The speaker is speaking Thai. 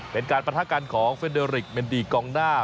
เป็นการปรัฐการณ์ของเฟดอริกเมนดีกองน่า